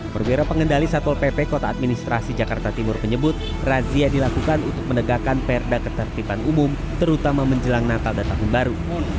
perwira pengendali satpol pp kota administrasi jakarta timur menyebut razia dilakukan untuk menegakkan perda ketertiban umum terutama menjelang natal dan tahun baru